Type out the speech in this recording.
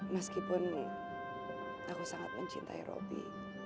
meskipun aku sangat mencintai roby